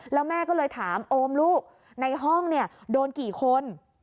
แล้วแม่ก็เลยถามโอมลูกในห้องโดนกี่คน